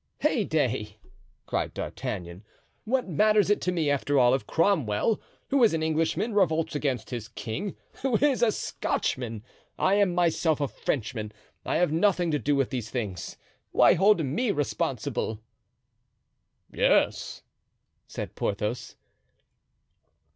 "Heyday!" cried D'Artagnan, "what matters it to me, after all, if Cromwell, who's an Englishman, revolts against his king, who is a Scotchman? I am myself a Frenchman. I have nothing to do with these things—why hold me responsible?" "Yes," said Porthos.